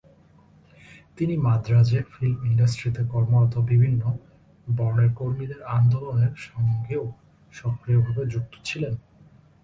তিনি মাদ্রাজে ফিল্ম ইন্ডাস্ট্রিতে কর্মরত বিভিন্ন বর্ণের কর্মীদের আন্দোলনের সঙ্গেও সক্রিয়ভাবে যুক্ত ছিলেন।